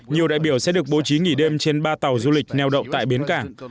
nhiều đại biểu sẽ được bố trí nghỉ đêm trên ba tàu du lịch neo động tại bến cảng